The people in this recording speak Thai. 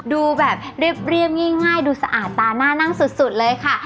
ดูแบบเรียบง่ายดูสะอาดตาหน้านั่งสุดเลยค่ะ